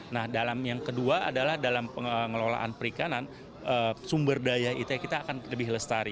nah yang kedua adalah dalam pengelolaan perikanan sumber daya ite kita akan lebih lestari